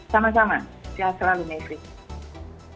sama sama sehat selalu nek pri